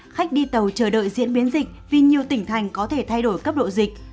khách đi tàu chờ đợi diễn biến dịch vì nhiều tỉnh thành có thể thay đổi cấp độ dịch